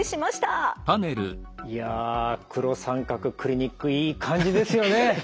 いや黒三角クリニックいい感じですよね。